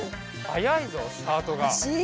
はやいぞスタートが。